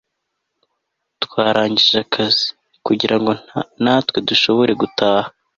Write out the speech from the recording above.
twarangije akazi, kugirango natwe dushobore gutaha